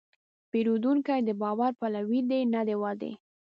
پیرودونکی د باور پلوي دی، نه د وعدې.